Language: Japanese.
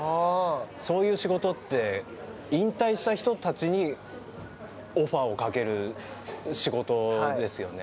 そういう仕事って引退した人たちにオファーをかける仕事ですよね。